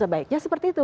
sebaiknya seperti itu